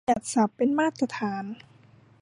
บัญญัติศัพท์เป็นมาตรฐาน